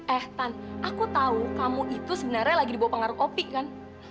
eh tan aku tahu kamu itu sebenarnya lagi dibawa pengaruh kopi kan